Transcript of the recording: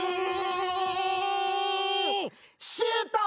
シュート！